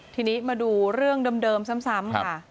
ทีนี้มาดูเรื่องเดิมซ้ำค่ะ